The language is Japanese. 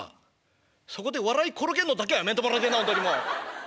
そこで笑い転げんのだけはやめてもらいてえな本当にもう。